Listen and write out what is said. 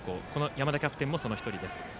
山田キャプテンもその１人です。